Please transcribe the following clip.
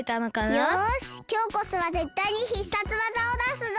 よしきょうこそはぜったいに必殺技をだすぞ！